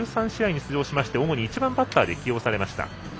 １３試合に出場しまして主に１番バッターで起用されました。